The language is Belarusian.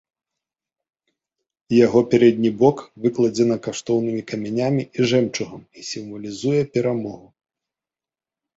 Яго пярэдні бок выкладзена каштоўнымі камянямі і жэмчугам і сімвалізуе перамогу.